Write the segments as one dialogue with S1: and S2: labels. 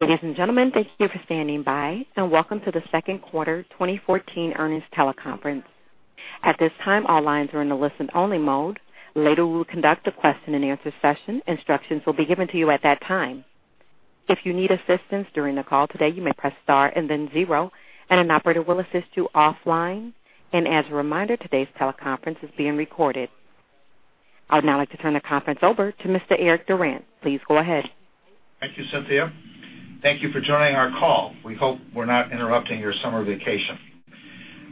S1: Ladies and gentlemen, thank you for standing by, welcome to the second quarter 2014 earnings teleconference. At this time, all lines are in the listen-only mode. Later, we'll conduct a question and answer session. Instructions will be given to you at that time. If you need assistance during the call today, you may press star and then zero, and an operator will assist you offline. As a reminder, today's teleconference is being recorded. I would now like to turn the conference over to Mr. Eric Durant. Please go ahead.
S2: Thank you, Cynthia. Thank you for joining our call. We hope we're not interrupting your summer vacation.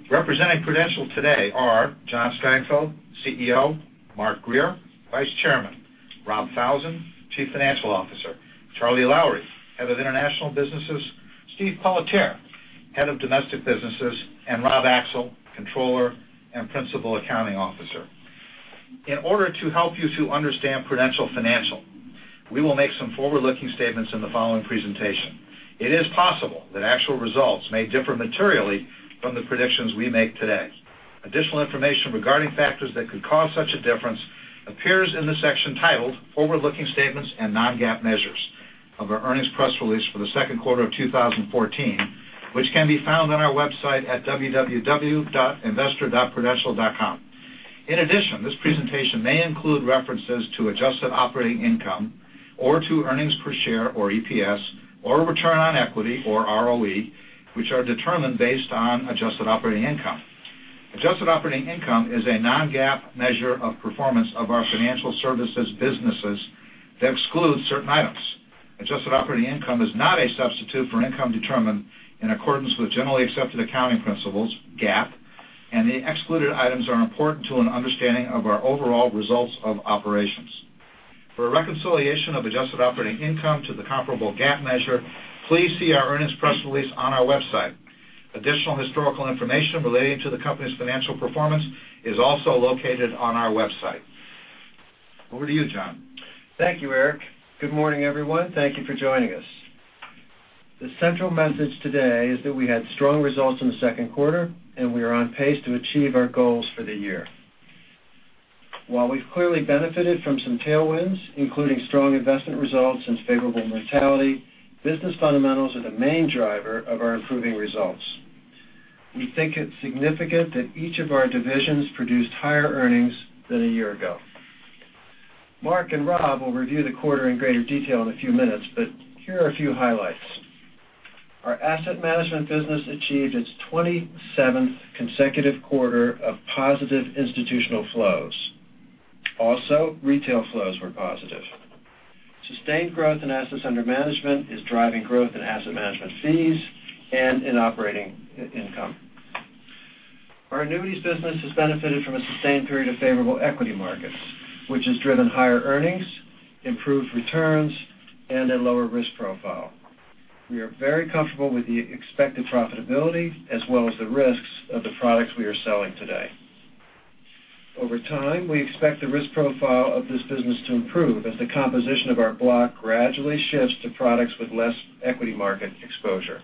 S2: Representing Prudential today are John Strangfeld, CEO; Mark Grier, Vice Chairman; Robert Falzon, Chief Financial Officer; Charles Lowrey, Head of International Businesses; Steve Pelletier, Head of Domestic Businesses; and Robert Axel, Controller and Principal Accounting Officer. In order to help you to understand Prudential Financial, we will make some forward-looking statements in the following presentation. It is possible that actual results may differ materially from the predictions we make today. Additional information regarding factors that could cause such a difference appears in the section titled "Forward-Looking Statements and Non-GAAP Measures" of our earnings press release for the second quarter of 2014, which can be found on our website at www.investor.prudential.com. In addition, this presentation may include references to adjusted operating income or to earnings per share, or EPS, or return on equity, or ROE, which are determined based on adjusted operating income. Adjusted operating income is a non-GAAP measure of performance of our financial services businesses that excludes certain items. Adjusted operating income is not a substitute for income determined in accordance with generally accepted accounting principles, GAAP, The excluded items are important to an understanding of our overall results of operations. For a reconciliation of adjusted operating income to the comparable GAAP measure, please see our earnings press release on our website. Additional historical information relating to the company's financial performance is also located on our website. Over to you, John.
S3: Thank you, Eric. Good morning, everyone. Thank you for joining us. The central message today is that we had strong results in the second quarter, We are on pace to achieve our goals for the year. While we've clearly benefited from some tailwinds, including strong investment results and favorable mortality, business fundamentals are the main driver of our improving results. We think it's significant that each of our divisions produced higher earnings than a year ago. Mark and Rob will review the quarter in greater detail in a few minutes, but here are a few highlights. Our asset management business achieved its 27th consecutive quarter of positive institutional flows. Retail flows were positive. Sustained growth in assets under management is driving growth in asset management fees and in operating income. Our annuities business has benefited from a sustained period of favorable equity markets, which has driven higher earnings, improved returns, and a lower risk profile. We are very comfortable with the expected profitability as well as the risks of the products we are selling today. Over time, we expect the risk profile of this business to improve as the composition of our block gradually shifts to products with less equity market exposure.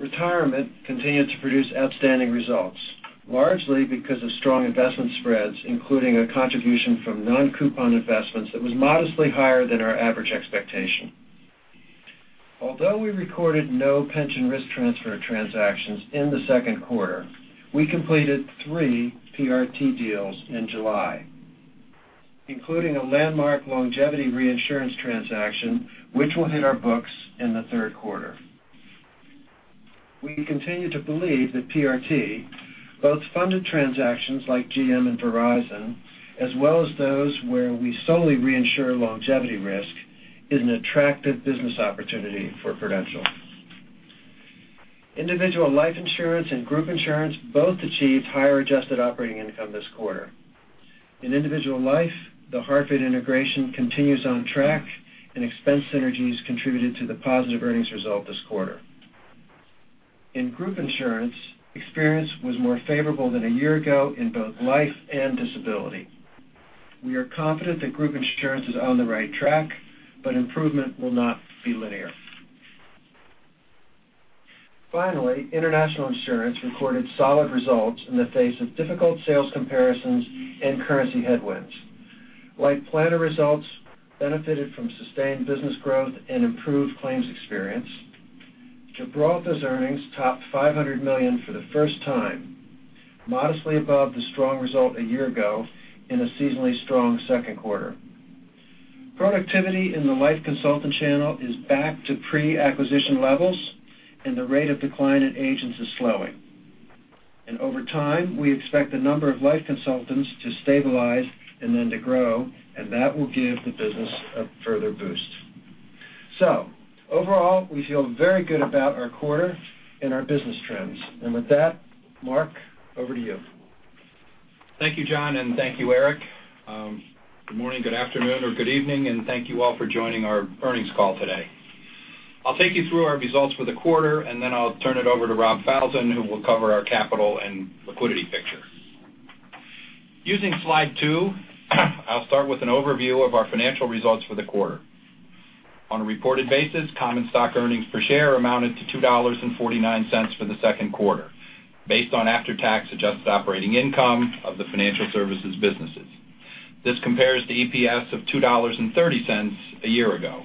S3: Retirement continued to produce outstanding results, largely because of strong investment spreads, including a contribution from non-coupon investments that was modestly higher than our average expectation. Although we recorded no pension risk transfer transactions in the second quarter, we completed 3 PRT deals in July, including a landmark longevity reinsurance transaction, which will hit our books in the third quarter. We continue to believe that PRT, both funded transactions like GM and Verizon, as well as those where we solely reinsure longevity risk, is an attractive business opportunity for Prudential. Individual life insurance and group insurance both achieved higher adjusted operating income this quarter. In individual life, The Hartford integration continues on track, and expense synergies contributed to the positive earnings result this quarter. In group insurance, experience was more favorable than a year ago in both life and disability. We are confident that group insurance is on the right track, but improvement will not be linear. International insurance recorded solid results in the face of difficult sales comparisons and currency headwinds. Life Planner results benefited from sustained business growth and improved claims experience. Gibraltar's earnings topped $500 million for the first time, modestly above the strong result a year ago in a seasonally strong second quarter. Productivity in the life consultant channel is back to pre-acquisition levels, and the rate of decline in agents is slowing. Over time, we expect the number of life consultants to stabilize and then to grow, and that will give the business a further boost. Overall, we feel very good about our quarter and our business trends. With that, Mark, over to you.
S4: Thank you, John, thank you, Eric. Good morning, good afternoon, or good evening, thank you all for joining our earnings call today. I'll take you through our results for the quarter, then I'll turn it over to Rob Falzon, who will cover our capital and liquidity picture. Using slide two, I'll start with an overview of our financial results for the quarter. On a reported basis, common stock earnings per share amounted to $2.49 for the second quarter, based on after-tax adjusted operating income of the financial services businesses. This compares to EPS of $2.30 a year ago.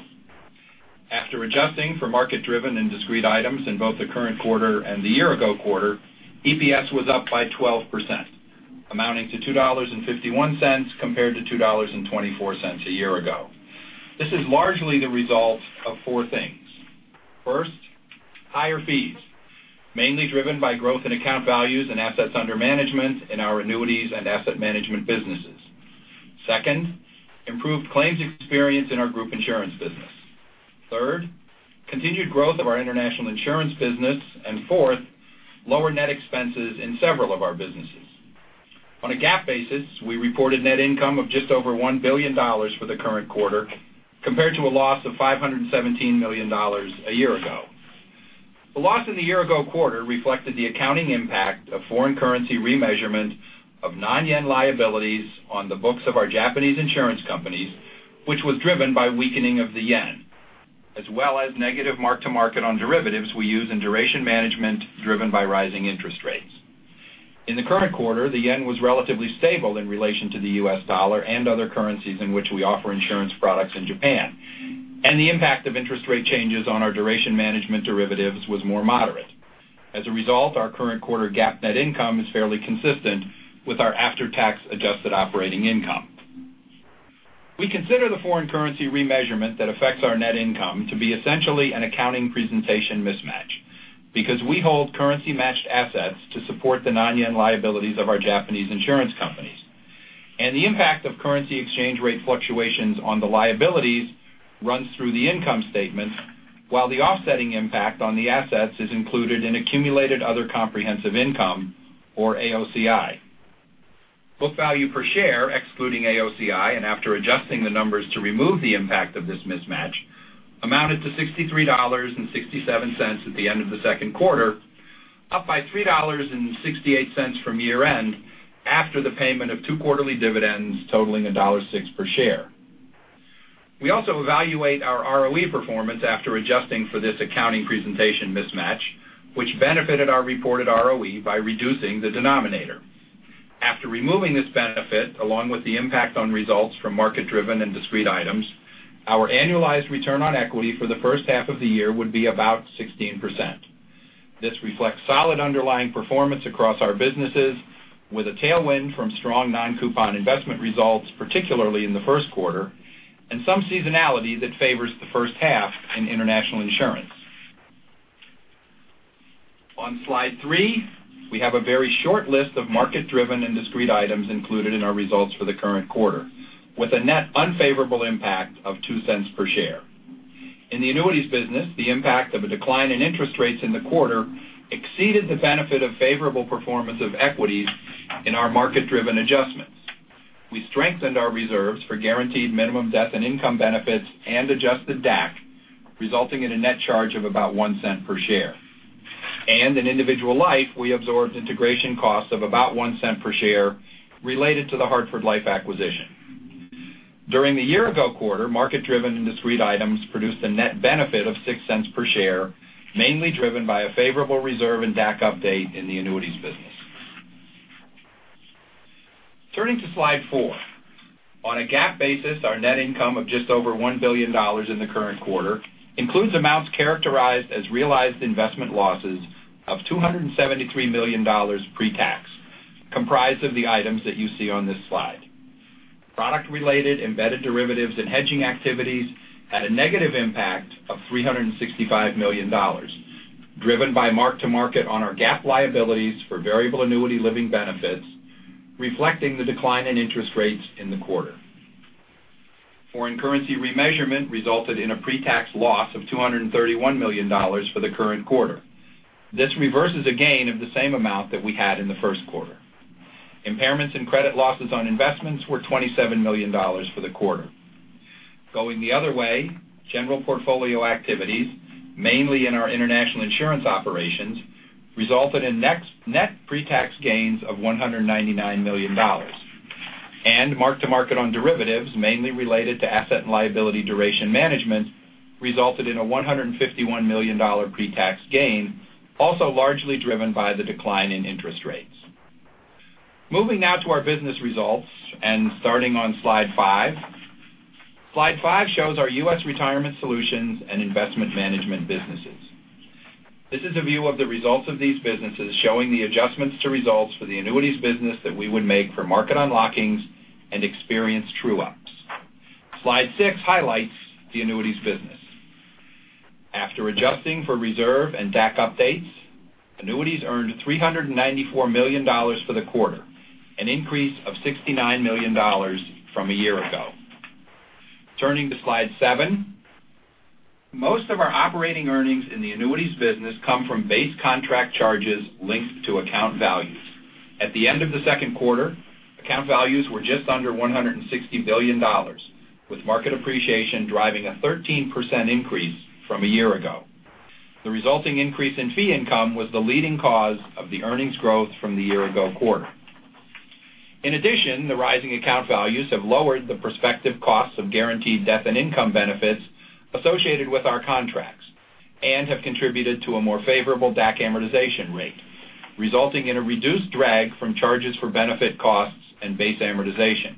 S4: After adjusting for market-driven and discrete items in both the current quarter and the year-ago quarter, EPS was up by 12%, amounting to $2.51 compared to $2.24 a year ago. This is largely the result of four things. First, higher fees, mainly driven by growth in account values and assets under management in our annuities and asset management businesses. Second, improved claims experience in our group insurance business. Third, continued growth of our international insurance business. Fourth, lower net expenses in several of our businesses. On a GAAP basis, we reported net income of just over $1 billion for the current quarter, compared to a loss of $517 million a year ago. The loss in the year-ago quarter reflected the accounting impact of foreign currency remeasurement of non-JPY liabilities on the books of our Japanese insurance companies, which was driven by weakening of the JPY, as well as negative mark-to-market on derivatives we use in duration management driven by rising interest rates. In the current quarter, the JPY was relatively stable in relation to the USD and other currencies in which we offer insurance products in Japan, the impact of interest rate changes on our duration management derivatives was more moderate. As a result, our current quarter GAAP net income is fairly consistent with our after-tax adjusted operating income. We consider the foreign currency remeasurement that affects our net income to be essentially an accounting presentation mismatch because we hold currency-matched assets to support the non-JPY liabilities of our Japanese insurance companies. The impact of currency exchange rate fluctuations on the liabilities runs through the income statement, while the offsetting impact on the assets is included in accumulated other comprehensive income or AOCI. Book value per share, excluding AOCI and after adjusting the numbers to remove the impact of this mismatch, amounted to $63.67 at the end of the second quarter, up by $3.68 from year-end, after the payment of two quarterly dividends totaling $1.06 per share. We also evaluate our ROE performance after adjusting for this accounting presentation mismatch, which benefited our reported ROE by reducing the denominator. After removing this benefit, along with the impact on results from market-driven and discrete items, our annualized return on equity for the first half of the year would be about 16%. This reflects solid underlying performance across our businesses with a tailwind from strong non-coupon investment results, particularly in the first quarter, and some seasonality that favors the first half in international insurance. On slide three, we have a very short list of market-driven and discrete items included in our results for the current quarter, with a net unfavorable impact of $0.02 per share. In the annuities business, the impact of a decline in interest rates in the quarter exceeded the benefit of favorable performance of equities in our market-driven adjustments. We strengthened our reserves for guaranteed minimum death and income benefits and adjusted DAC, resulting in a net charge of about $0.01 per share. In individual life, we absorbed integration costs of about $0.01 per share related to the Hartford Life acquisition. During the year-ago quarter, market-driven and discrete items produced a net benefit of $0.06 per share, mainly driven by a favorable reserve and DAC update in the annuities business. Turning to slide four. On a GAAP basis, our net income of just over $1 billion in the current quarter includes amounts characterized as realized investment losses of $273 million pre-tax, comprised of the items that you see on this slide. Product-related embedded derivatives and hedging activities had a negative impact of $365 million, driven by mark-to-market on our GAAP liabilities for variable annuity living benefits, reflecting the decline in interest rates in the quarter. Foreign currency remeasurement resulted in a pre-tax loss of $231 million for the current quarter. This reverses a gain of the same amount that we had in the first quarter. Impairments and credit losses on investments were $27 million for the quarter. Going the other way, general portfolio activities, mainly in our international insurance operations, resulted in net pre-tax gains of $199 million. Mark-to-market on derivatives, mainly related to asset and liability duration management, resulted in a $151 million pre-tax gain, also largely driven by the decline in interest rates. Moving now to our business results and starting on slide five. Slide five shows our U.S. retirement solutions and investment management businesses. This is a view of the results of these businesses showing the adjustments to results for the annuities business that we would make for market unlockings and experience true-ups. Slide six highlights the annuities business. After adjusting for reserve and DAC updates, annuities earned $394 million for the quarter, an increase of $69 million from a year ago. Turning to slide seven, most of our operating earnings in the annuities business come from base contract charges linked to account values. At the end of the second quarter, account values were just under $160 billion, with market appreciation driving a 13% increase from a year ago. The resulting increase in fee income was the leading cause of the earnings growth from the year-ago quarter. In addition, the rising account values have lowered the prospective costs of guaranteed death and income benefits associated with our contracts. Have contributed to a more favorable DAC amortization rate, resulting in a reduced drag from charges for benefit costs and base amortization.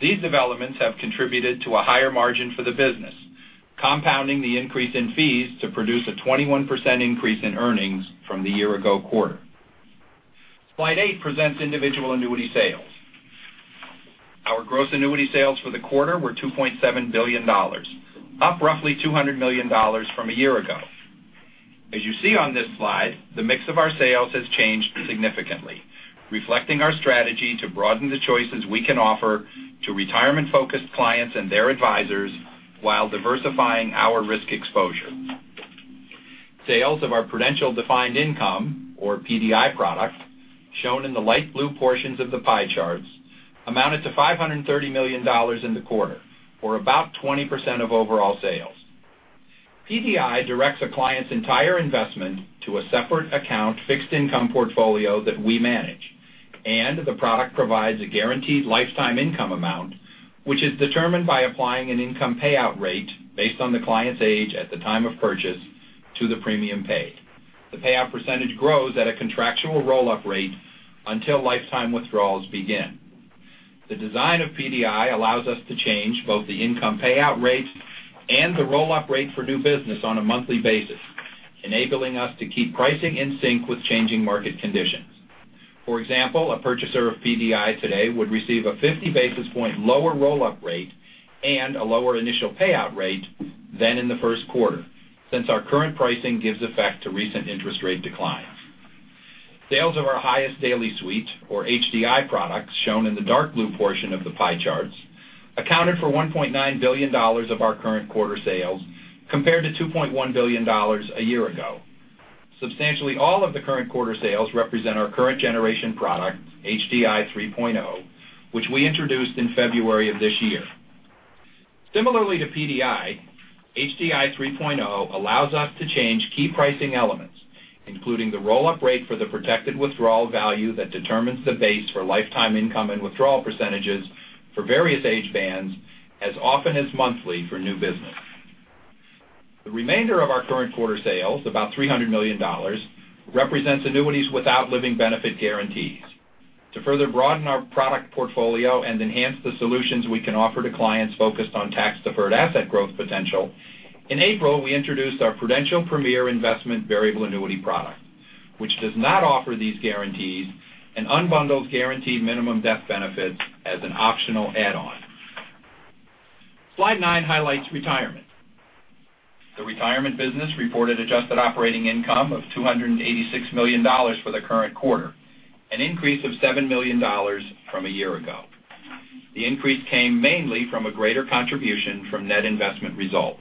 S4: These developments have contributed to a higher margin for the business, compounding the increase in fees to produce a 21% increase in earnings from the year ago quarter. Slide eight presents individual annuity sales. Our gross annuity sales for the quarter were $2.7 billion, up roughly $200 million from a year ago. As you see on this slide, the mix of our sales has changed significantly, reflecting our strategy to broaden the choices we can offer to retirement-focused clients and their advisors while diversifying our risk exposure. Sales of our Prudential Defined Income, or PDI product, shown in the light blue portions of the pie charts, amounted to $530 million in the quarter, or about 20% of overall sales. PDI directs a client's entire investment to a separate account fixed income portfolio that we manage, and the product provides a guaranteed lifetime income amount, which is determined by applying an income payout rate based on the client's age at the time of purchase to the premium paid. The payout percentage grows at a contractual roll-up rate until lifetime withdrawals begin. The design of PDI allows us to change both the income payout rates and the roll-up rate for new business on a monthly basis, enabling us to keep pricing in sync with changing market conditions. For example, a purchaser of PDI today would receive a 50 basis point lower roll-up rate and a lower initial payout rate than in the first quarter, since our current pricing gives effect to recent interest rate declines. Sales of our Highest Daily Suite, or HDI products, shown in the dark blue portion of the pie charts, accounted for $1.9 billion of our current quarter sales compared to $2.1 billion a year ago. Substantially all of the current quarter sales represent our current generation product, HDI 3.0, which we introduced in February of this year. Similarly to PDI, HDI 3.0 allows us to change key pricing elements, including the roll-up rate for the protected withdrawal value that determines the base for lifetime income and withdrawal percentages for various age bands as often as monthly for new business. The remainder of our current quarter sales, about $300 million, represents annuities without living benefit guarantees. To further broaden our product portfolio and enhance the solutions we can offer to clients focused on tax-deferred asset growth potential, in April, we introduced our Prudential Premier Investment Variable Annuity product, which does not offer these guarantees and unbundled guaranteed minimum death benefits as an optional add-on. Slide nine highlights Retirement. The Retirement business reported adjusted operating income of $286 million for the current quarter, an increase of $7 million from a year ago. The increase came mainly from a greater contribution from net investment results.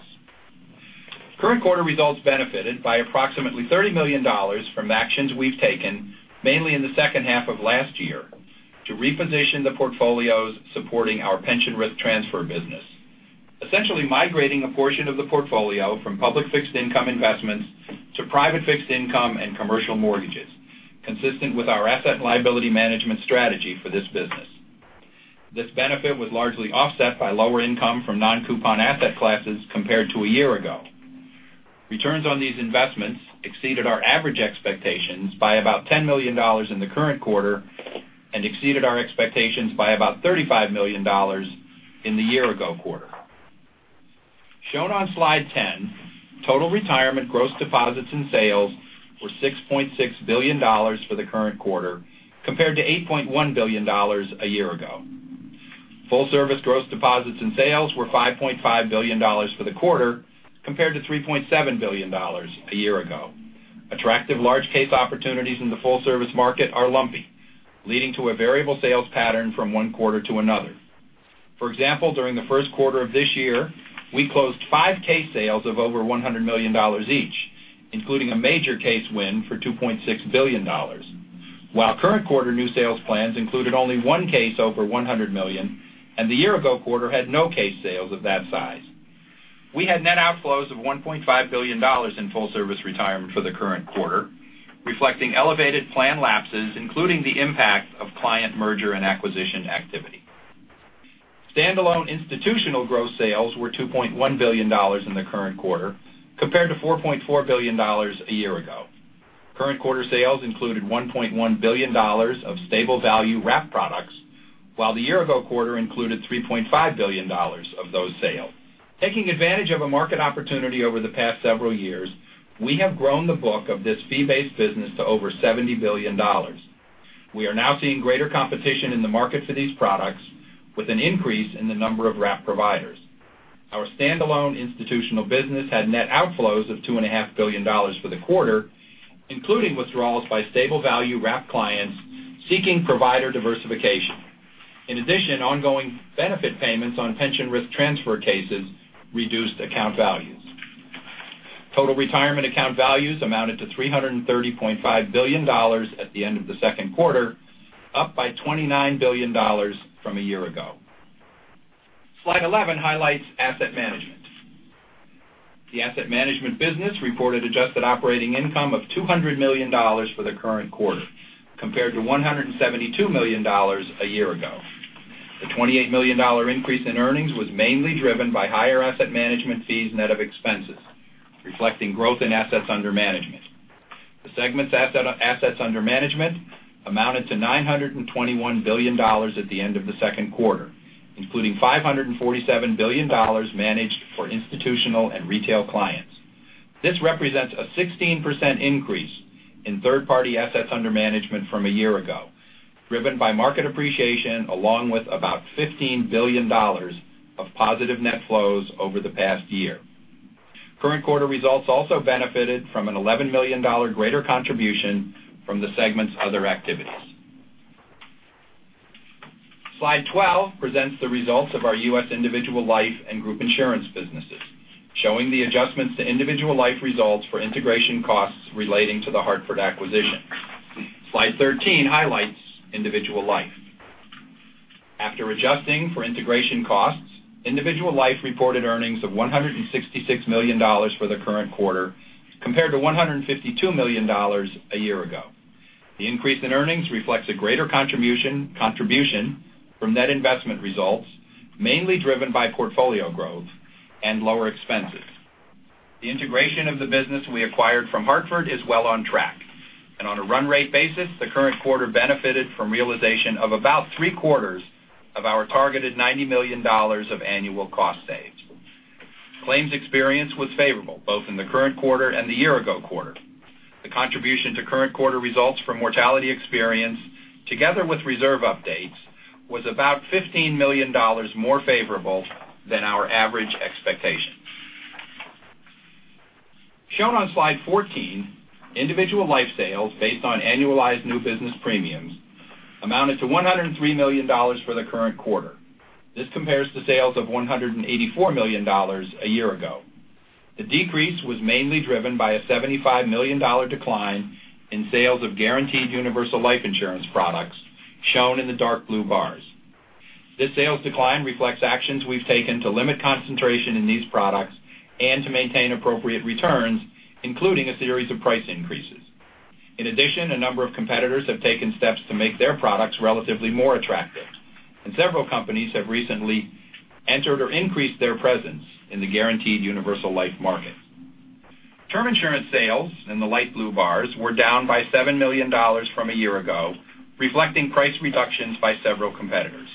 S4: Current quarter results benefited by approximately $30 million from actions we've taken mainly in the second half of last year to reposition the portfolios supporting our pension risk transfer business, essentially migrating a portion of the portfolio from public fixed income investments to private fixed income and commercial mortgages, consistent with our asset and liability management strategy for this business. This benefit was largely offset by lower income from non-coupon asset classes compared to a year ago. Returns on these investments exceeded our average expectations by about $10 million in the current quarter and exceeded our expectations by about $35 million in the year ago quarter. Shown on slide 10, total Retirement gross deposits and sales were $6.6 billion for the current quarter compared to $8.1 billion a year ago. Full service gross deposits and sales were $5.5 billion for the quarter compared to $3.7 billion a year ago. Attractive large case opportunities in the full service market are lumpy, leading to a variable sales pattern from one quarter to another. For example, during the first quarter of this year, we closed five case sales of over $100 million each, including a major case win for $2.6 billion, while current quarter new sales plans included only one case over $100 million, and the year ago quarter had no case sales of that size. We had net outflows of $1.5 billion in full service Retirement for the current quarter, reflecting elevated plan lapses, including the impact of client merger and acquisition activity. Standalone institutional gross sales were $2.1 billion in the current quarter compared to $4.4 billion a year ago. Current quarter sales included $1.1 billion of stable value wrap products, while the year ago quarter included $3.5 billion of those sales. Taking advantage of a market opportunity over the past several years, we have grown the book of this fee-based business to over $70 billion. We are now seeing greater competition in the market for these products with an increase in the number of wrap providers. Our standalone institutional business had net outflows of $2.5 billion for the quarter, including withdrawals by stable value wrap clients seeking provider diversification. In addition, ongoing benefit payments on pension risk transfer cases reduced account values. Total Retirement account values amounted to $330.5 billion at the end of the second quarter, up by $29 billion from a year ago. Slide 11 highlights Asset Management. The Asset Management business reported adjusted operating income of $200 million for the current quarter compared to $172 million a year ago. The $28 million increase in earnings was mainly driven by higher asset management fees net of expenses, reflecting growth in assets under management. The segment's asset under management amounted to $921 billion at the end of the second quarter, including $547 billion managed for institutional and retail clients. This represents a 16% increase in third-party assets under management from a year ago, driven by market appreciation, along with about $15 billion of positive net flows over the past year. Current quarter results also benefited from an $11 million greater contribution from the segment's other activities. Slide 12 presents the results of our U.S. Individual Life and Group Insurance businesses, showing the adjustments to Individual Life results for integration costs relating to The Hartford acquisition. Slide 13 highlights Individual Life. After adjusting for integration costs, Individual Life reported earnings of $166 million for the current quarter, compared to $152 million a year ago. The increase in earnings reflects a greater contribution from net investment results, mainly driven by portfolio growth and lower expenses. The integration of the business we acquired from The Hartford is well on track, and on a run rate basis, the current quarter benefited from realization of about three-quarters of our targeted $90 million of annual cost saves. Claims experience was favorable, both in the current quarter and the year ago quarter. The contribution to current quarter results from mortality experience, together with reserve updates, was about $15 million more favorable than our average expectations. Shown on slide 14, Individual Life sales, based on annualized new business premiums, amounted to $103 million for the current quarter. This compares to sales of $184 million a year ago. The decrease was mainly driven by a $75 million decline in sales of guaranteed universal life insurance products, shown in the dark blue bars. This sales decline reflects actions we've taken to limit concentration in these products and to maintain appropriate returns, including a series of price increases. In addition, a number of competitors have taken steps to make their products relatively more attractive, and several companies have recently entered or increased their presence in the guaranteed universal life market. Term insurance sales, in the light blue bars, were down by $7 million from a year ago, reflecting price reductions by several competitors.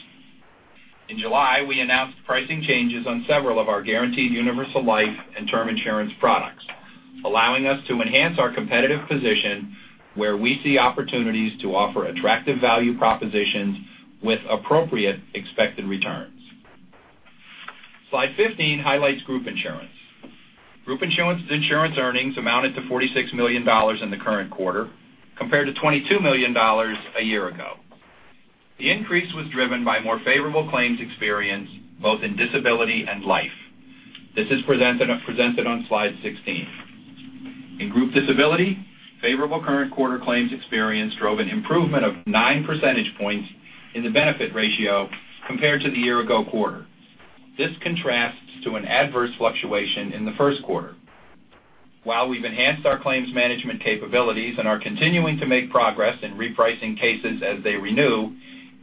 S4: In July, we announced pricing changes on several of our guaranteed universal life and term insurance products, allowing us to enhance our competitive position where we see opportunities to offer attractive value propositions with appropriate expected returns. Slide 15 highlights Group Insurance. Group insurance's insurance earnings amounted to $46 million in the current quarter, compared to $22 million a year ago. The increase was driven by more favorable claims experience, both in disability and life. This is presented on slide 16. In group disability, favorable current quarter claims experience drove an improvement of nine percentage points in the benefit ratio compared to the year ago quarter. This contrasts to an adverse fluctuation in the first quarter. While we've enhanced our claims management capabilities and are continuing to make progress in repricing cases as they renew,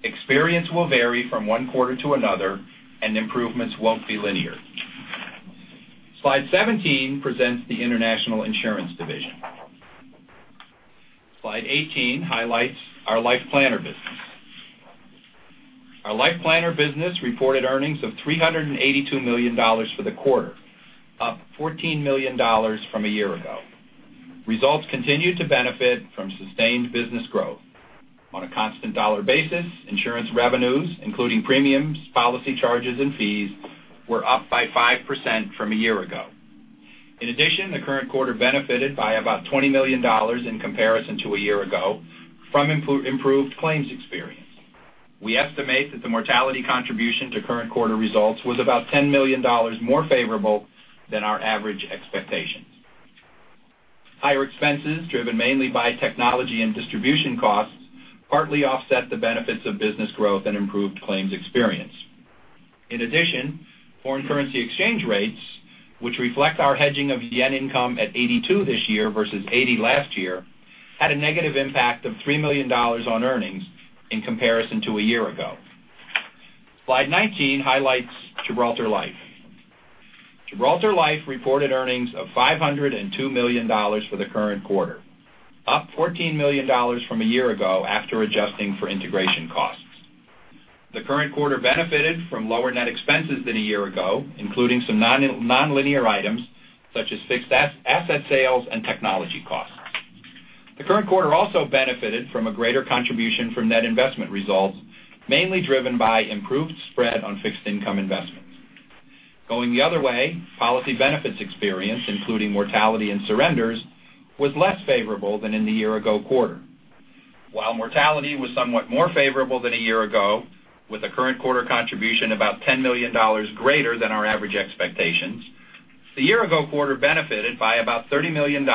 S4: experience will vary from one quarter to another and improvements won't be linear. Slide 17 presents the International Insurance division. Slide 18 highlights our Life Planner business. Our Life Planner business reported earnings of $382 million for the quarter, up $14 million from a year ago. Results continued to benefit from sustained business growth. On a constant dollar basis, insurance revenues, including premiums, policy charges, and fees, were up by 5% from a year ago. In addition, the current quarter benefited by about $20 million in comparison to a year ago from improved claims experience. We estimate that the mortality contribution to current quarter results was about $10 million more favorable than our average expectations. Higher expenses, driven mainly by technology and distribution costs, partly offset the benefits of business growth and improved claims experience. In addition, foreign currency exchange rates, which reflect our hedging of yen income at 82 this year versus 80 last year, had a negative impact of $3 million on earnings in comparison to a year ago. Slide 19 highlights Gibraltar Life. Gibraltar Life reported earnings of $502 million for the current quarter, up $14 million from a year ago after adjusting for integration costs. The current quarter benefited from lower net expenses than a year ago, including some nonlinear items such as fixed asset sales and technology costs. The current quarter also benefited from a greater contribution from net investment results, mainly driven by improved spread on fixed income investments. Going the other way, policy benefits experience, including mortality and surrenders, was less favorable than in the year ago quarter. While mortality was somewhat more favorable than a year ago, with the current quarter contribution about $10 million greater than our average expectations, the year ago quarter benefited by about $30 million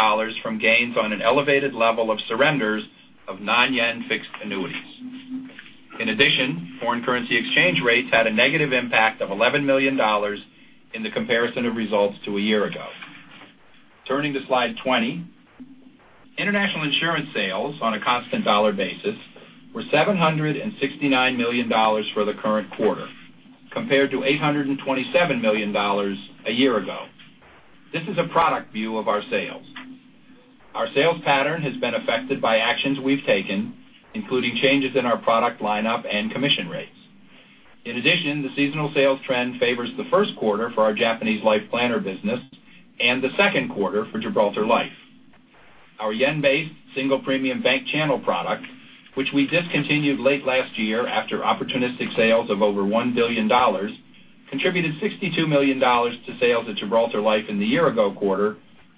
S4: from gains on an elevated level of surrenders of non-yen fixed annuities. In addition, foreign currency exchange rates had a negative impact of $11 million in the comparison of results to a year ago. Turning to slide 20, international insurance sales on a constant dollar basis were $769 million for the current quarter, compared to $827 million a year ago. This is a product view of our sales. Our sales pattern has been affected by actions we've taken, including changes in our product lineup and commission rates. In addition, the seasonal sales trend favors the first quarter for our Japanese Life Planner business and the second quarter for Gibraltar Life. Our yen-based single premium bank channel product, which we discontinued late last year after opportunistic sales of over $1 billion, contributed $62 million to sales at Gibraltar Life in the year ago quarter,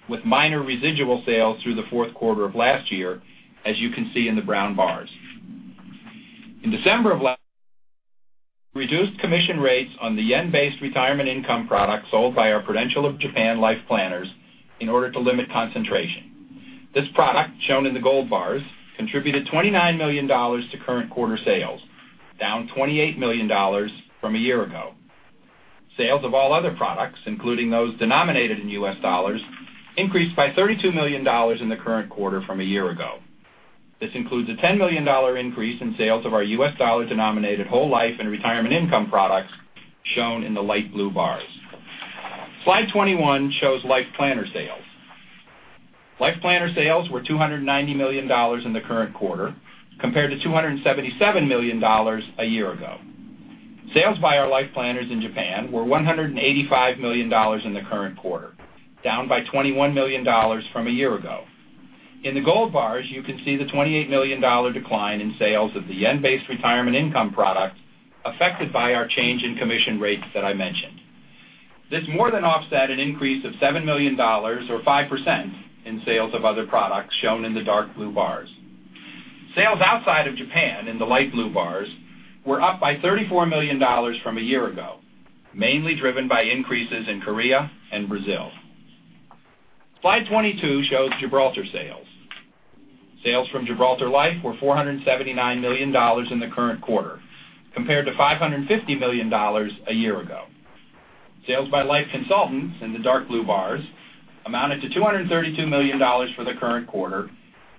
S4: with minor residual sales through the fourth quarter of last year, as you can see in the brown bars. In December of last year reduced commission rates on the yen-based retirement income product sold by our Prudential of Japan Life Planners in order to limit concentration. This product, shown in the gold bars, contributed $29 million to current quarter sales, down $28 million from a year ago. Sales of all other products, including those denominated in US dollars, increased by $32 million in the current quarter from a year ago. This includes a $10 million increase in sales of our US dollar-denominated whole life and retirement income products, shown in the light blue bars. Slide 21 shows life planner sales. Life planner sales were $290 million in the current quarter, compared to $277 million a year ago. Sales by our Life Planners in Japan were $185 million in the current quarter, down by $21 million from a year ago. In the gold bars, you can see the $28 million decline in sales of the yen-based retirement income product affected by our change in commission rates that I mentioned. This more than offset an increase of $7 million or 5% in sales of other products, shown in the dark blue bars. Sales outside of Japan in the light blue bars were up by $34 million from a year ago, mainly driven by increases in Korea and Brazil. Slide 22 shows Gibraltar sales. Sales from Gibraltar Life were $479 million in the current quarter, compared to $550 million a year ago. Sales by life consultants in the dark blue bars amounted to $232 million for the current quarter,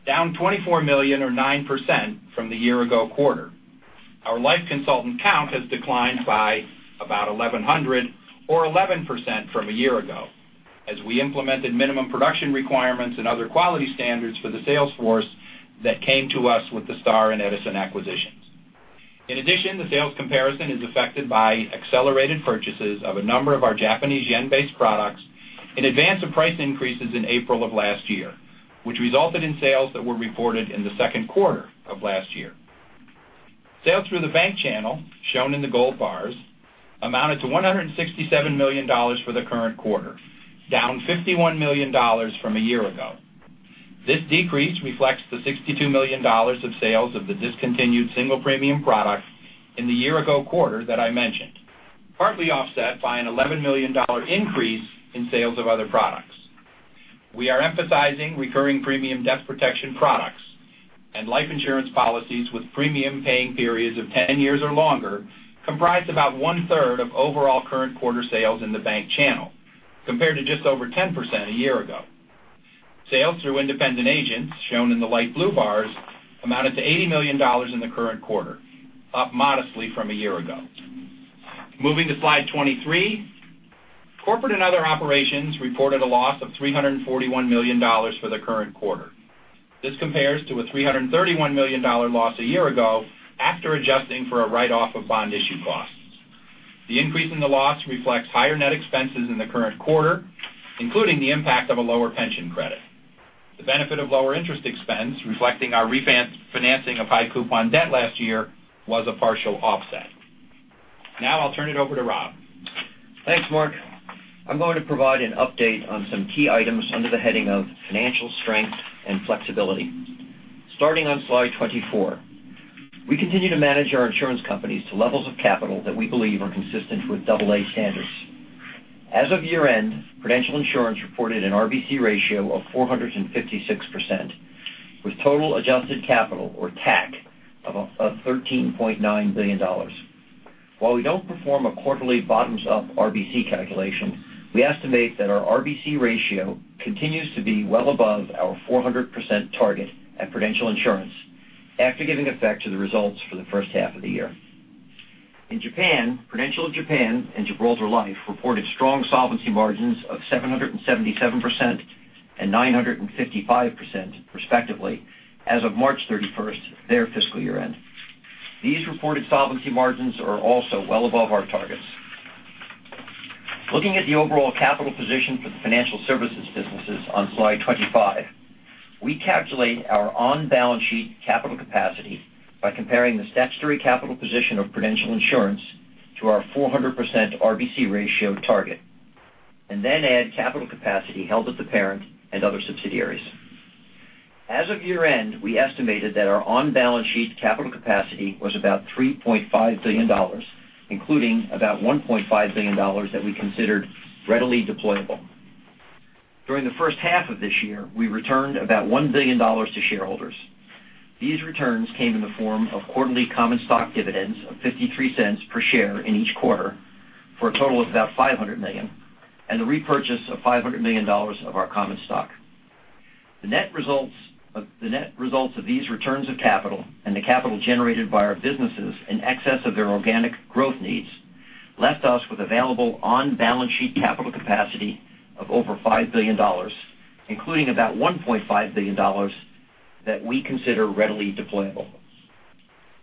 S4: down $24 million or 9% from the year ago quarter. Our life consultant count has declined by about 1,100 or 11% from a year ago as we implemented minimum production requirements and other quality standards for the sales force that came to us with the Star and Edison acquisitions. In addition, the sales comparison is affected by accelerated purchases of a number of our Japanese yen-based products in advance of price increases in April of last year, which resulted in sales that were reported in the second quarter of last year. Sales through the bank channel, shown in the gold bars, amounted to $167 million for the current quarter, down $51 million from a year ago. This decrease reflects the $62 million of sales of the discontinued single premium product in the year ago quarter that I mentioned, partly offset by an $11 million increase in sales of other products. We are emphasizing recurring premium death protection products and life insurance policies with premium paying periods of 10 years or longer comprise about one-third of overall current quarter sales in the bank channel compared to just over 10% a year ago. Sales through independent agents, shown in the light blue bars, amounted to $80 million in the current quarter, up modestly from a year ago. Moving to slide 23, corporate and other operations reported a loss of $341 million for the current quarter. This compares to a $331 million loss a year ago after adjusting for a write-off of bond issue costs. The increase in the loss reflects higher net expenses in the current quarter, including the impact of a lower pension credit. The benefit of lower interest expense reflecting our refinancing of high coupon debt last year was a partial offset. Now I'll turn it over to Rob.
S5: Thanks, Mark. I'm going to provide an update on some key items under the heading of financial strength and flexibility. Starting on slide 24, we continue to manage our insurance companies to levels of capital that we believe are consistent with AA standards. As of year-end, Prudential Insurance reported an RBC ratio of 456%, with total adjusted capital or TAC of $13.9 billion. While we don't perform a quarterly bottoms-up RBC calculation, we estimate that our RBC ratio continues to be well above our 400% target at Prudential Insurance after giving effect to the results for the first half of the year. In Japan, Prudential of Japan and Gibraltar Life reported strong solvency margins of 777% and 955%, respectively, as of March 31st, their fiscal year-end. These reported solvency margins are also well above our targets. Looking at the overall capital position for the financial services businesses on slide 25, we calculate our on-balance sheet capital capacity by comparing the statutory capital position of Prudential Insurance to our 400% RBC ratio target, then add capital capacity held at the parent and other subsidiaries. As of year-end, we estimated that our on-balance sheet capital capacity was about $3.5 billion, including about $1.5 billion that we considered readily deployable. During the first half of this year, we returned about $1 billion to shareholders. These returns came in the form of quarterly common stock dividends of $0.53 per share in each quarter for a total of about $500 million and the repurchase of $500 million of our common stock. The net results of these returns of capital and the capital generated by our businesses in excess of their organic growth needs left us with available on-balance sheet capital capacity of over $5 billion, including about $1.5 billion that we consider readily deployable.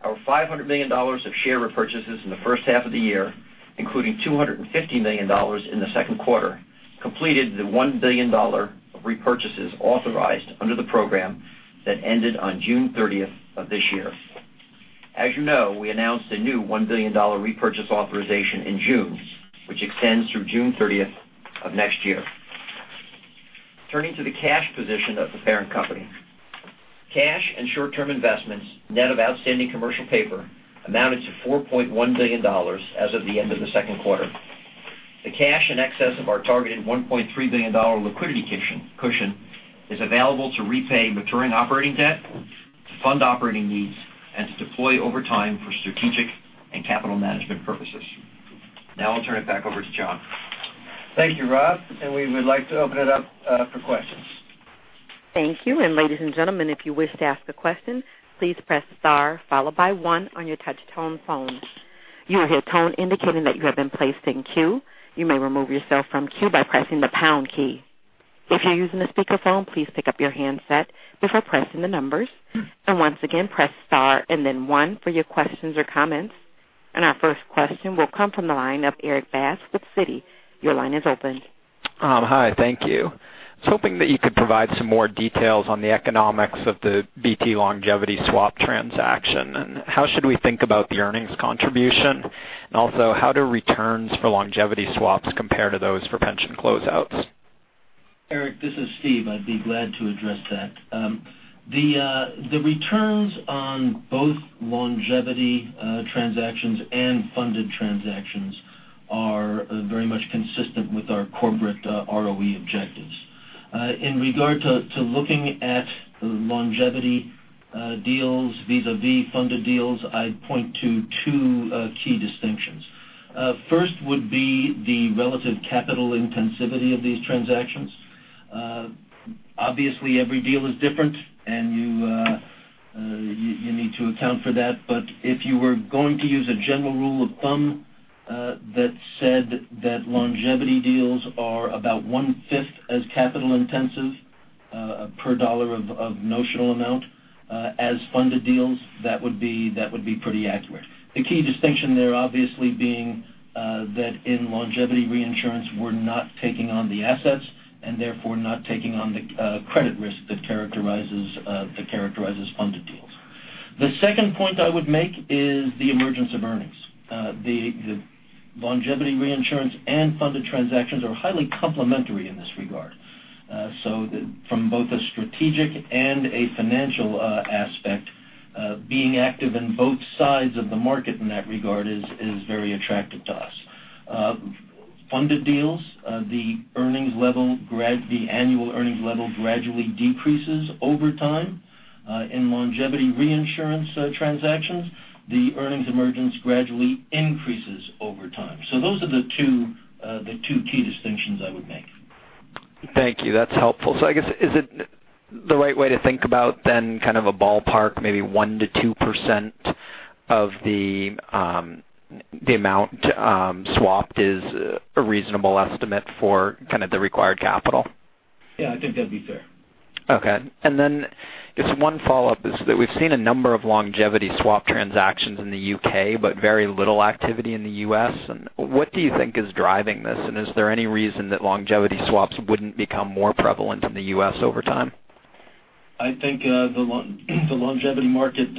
S5: Our $500 million of share repurchases in the first half of the year, including $250 million in the second quarter, completed the $1 billion of repurchases authorized under the program that ended on June 30th of this year. As you know, we announced a new $1 billion repurchase authorization in June, which extends through June 30th of next year. Turning to the cash position of the parent company. Cash and short-term investments, net of outstanding commercial paper, amounted to $4.1 billion as of the end of the second quarter. The cash in excess of our targeted $1.3 billion liquidity cushion is available to repay maturing operating debt, to fund operating needs, and to deploy over time for strategic and capital management purposes. I'll turn it back over to John.
S3: Thank you, Rob, and we would like to open it up for questions.
S1: Thank you. Ladies and gentlemen, if you wish to ask a question, please press star followed by 1 on your touch tone phone. You will hear a tone indicating that you have been placed in queue. You may remove yourself from queue by pressing the pound key. If you're using a speakerphone, please pick up your handset before pressing the numbers. Once again, press star and then 1 for your questions or comments. Our first question will come from the line of Erik Bass with Citigroup. Your line is open.
S6: Hi, thank you. I was hoping that you could provide some more details on the economics of the BT longevity swap transaction, how should we think about the earnings contribution? Also, how do returns for longevity swaps compare to those for pension closeouts?
S7: Erik, this is Steve. I'd be glad to address that. The returns on both longevity transactions and funded transactions are very much consistent with our corporate ROE objectives. In regard to looking at longevity deals vis-a-vis funded deals, I'd point to two key distinctions. First would be the relative capital intensivity of these transactions. Obviously, every deal is different and you need to account for that. If you were going to use a general rule of thumb that said that longevity deals are about one-fifth as capital intensive per dollar of notional amount as funded deals, that would be pretty accurate. The key distinction there obviously being that in longevity reinsurance, we're not taking on the assets and therefore not taking on the credit risk that characterizes funded deals. The second point I would make is the emergence of earnings. The longevity reinsurance and funded transactions are highly complementary in this regard. From both a strategic and a financial aspect, being active in both sides of the market in that regard is very attractive to us. Funded deals, the annual earnings level gradually decreases over time. In longevity reinsurance transactions, the earnings emergence gradually increases over time. Those are the two key distinctions I would make.
S6: Thank you. That's helpful. I guess, is it the right way to think about then kind of a ballpark, maybe 1%-2% of the amount swapped is a reasonable estimate for kind of the required capital?
S7: Yeah, I think that'd be fair.
S6: Okay. Then just one follow-up is that we've seen a number of longevity swap transactions in the U.K. but very little activity in the U.S. What do you think is driving this, and is there any reason that longevity swaps wouldn't become more prevalent in the U.S. over time?
S7: I think the longevity market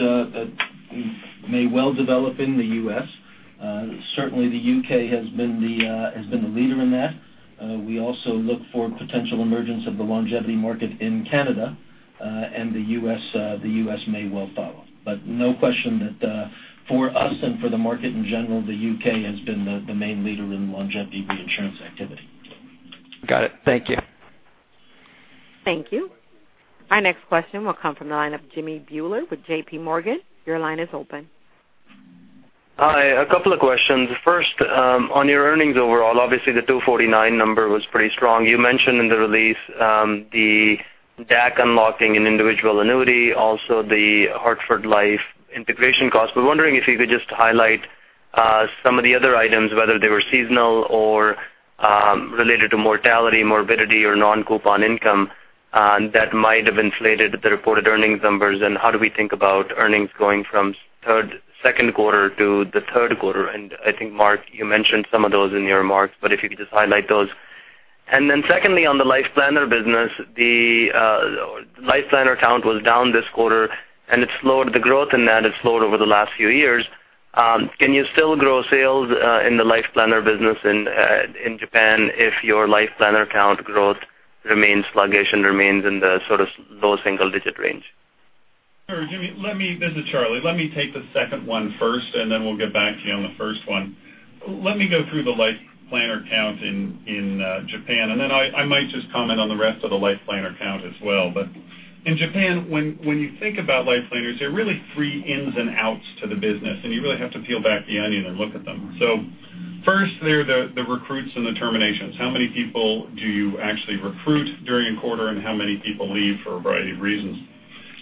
S7: may well develop in the U.S. Certainly the U.K. has been the leader in that. We also look for potential emergence of the longevity market in Canada, and the U.S. may well follow. No question that for us and for the market in general, the U.K. has been the main leader in longevity reinsurance activity.
S6: Got it. Thank you.
S1: Thank you. Our next question will come from the line of Jimmy Bhullar with J.P. Morgan. Your line is open.
S8: Hi. A couple of questions. First, on your earnings overall, obviously the $249 number was pretty strong. You mentioned in the release the DAC unlocking in individual annuity, also the Hartford Life integration cost. I was wondering if you could just highlight some of the other items, whether they were seasonal or related to mortality, morbidity, or non-coupon income that might have inflated the reported earnings numbers, and how do we think about earnings going from second quarter to the third quarter? I think, Mark, you mentioned some of those in your remarks, but if you could just highlight those. Then secondly, on the LifePlanner business, the LifePlanner count was down this quarter, and the growth in that has slowed over the last few years. Can you still grow sales in the LifePlanner business in Japan if your LifePlanner count growth remains sluggish and remains in the sort of low single-digit range?
S9: Sure, Jimmy. This is Charlie. Let me take the second one first. Then we'll get back to you on the first one. Let me go through the LifePlanner count in Japan. Then I might just comment on the rest of the LifePlanner count as well. In Japan, when you think about LifePlanners, there are really three ins and outs to the business, and you really have to peel back the onion and look at them. First, there are the recruits and the terminations. How many people do you actually recruit during a quarter, and how many people leave for a variety of reasons?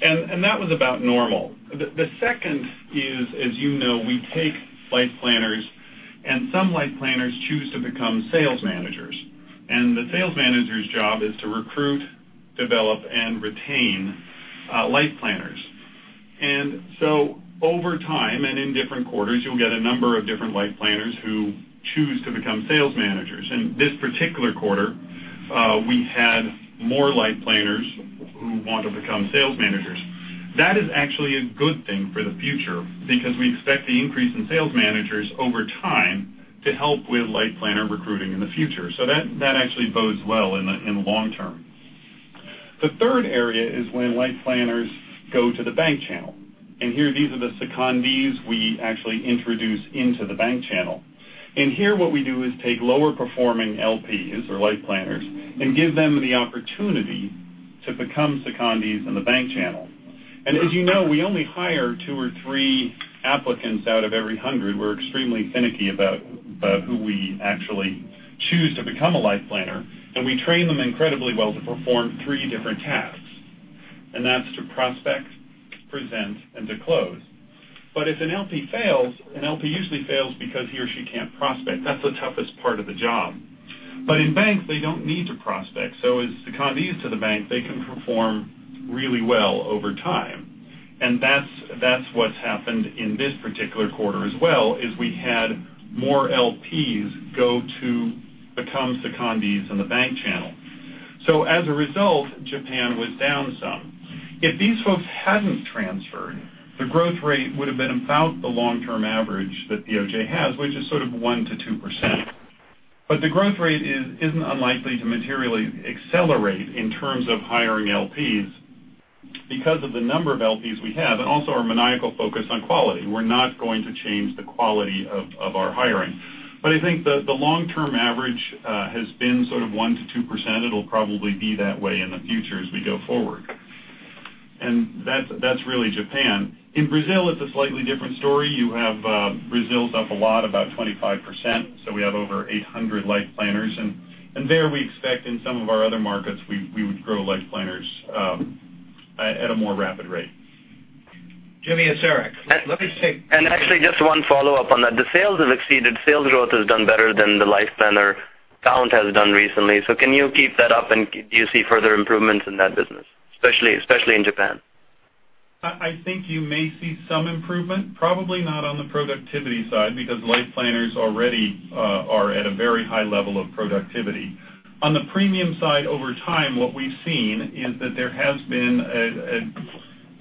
S9: That was about normal. The second is, as you know, we take LifePlanners, and some LifePlanners choose to become sales managers. The sales manager's job is to recruit, develop, and retain LifePlanners. Over time and in different quarters, you'll get a number of different LifePlanners who choose to become sales managers. In this particular quarter, we had more LifePlanners who want to become sales managers. That is actually a good thing for the future because we expect the increase in sales managers over time to help with LifePlanner recruiting in the future. That actually bodes well in the long term. The third area is when LifePlanners go to the bank channel. Here, these are the secondees we actually introduce into the bank channel. Here what we do is take lower performing LPs or LifePlanners and give them the opportunity to become secondees in the bank channel. As you know, we only hire two or three applicants out of every 100. We're extremely finicky about who we actually choose to become a LifePlanner, and we train them incredibly well to perform three different tasks, and that's to prospect, present, and to close. If an LP fails, an LP usually fails because he or she can't prospect. That's the toughest part of the job. In banks, they don't need to prospect. As secondees to the bank, they can perform really well over time. That's what's happened in this particular quarter as well, is we had more LPs go to become secondees in the bank channel. As a result, Japan was down some. If these folks hadn't transferred, the growth rate would have been about the long-term average that POJ has, which is sort of 1%-2%. The growth rate isn't unlikely to materially accelerate in terms of hiring LPs because of the number of LPs we have and also our maniacal focus on quality. We're not going to change the quality of our hiring. I think the long-term average has been sort of 1%-2%. It'll probably be that way in the future as we go forward. That's really Japan. In Brazil, it's a slightly different story. Brazil is up a lot, about 25%, so we have over 800 life planners. There we expect in some of our other markets, we would grow life planners at a more rapid rate.
S2: Jimmy.
S8: Actually, just one follow-up on that. Sales growth has done better than the life planner count has done recently. Can you keep that up, and do you see further improvements in that business, especially in Japan?
S9: I think you may see some improvement, probably not on the productivity side, because life planners already are at a very high level of productivity. On the premium side over time, what we've seen is that there has been